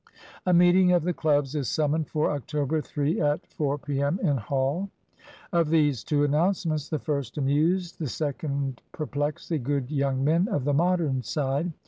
"A meeting of the clubs is summoned for October 3, at four p.m., in Hall." Of these two announcements the first amused, the second perplexed the good young men of the Modern side.